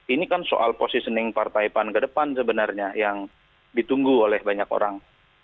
ini kan soal positioning partai pan ke depan sebenarnya yang ditunggu oleh banyak orang